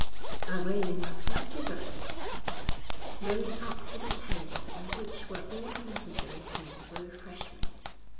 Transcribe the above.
'I really must have a cigarette,' he said, going up to the table on which were all the necessary things for refreshment.